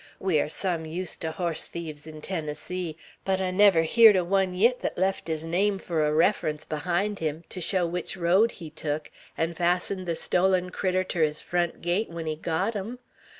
We air sum used ter hoss thieves in Tennessee; but I never heered o' one yit thet left his name fur a refference berhind him, ter show which road he tuk, 'n' fastened ther stolen critter ter his front gate when he got hum!